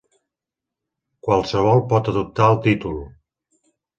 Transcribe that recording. Qualsevol pot adoptar el títol.